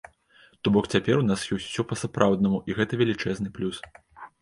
То бок цяпер у нас усё па-сапраўднаму і гэта велічэзны плюс.